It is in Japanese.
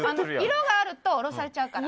色があると降ろされちゃうから。